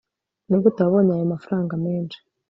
nigute wabonye ayo mafaranga menshi